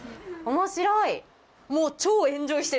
面白い！